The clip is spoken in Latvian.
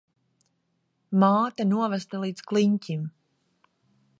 Māte novesta līdz kliņķim.